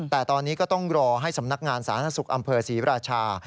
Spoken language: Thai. แต่ตอนนี้ก็ต้องรอให้สำนักงานสาธารณสุขอำเภอศรีราชา